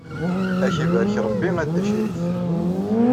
Ad ak-ibarek Rebbi a Dda Crif.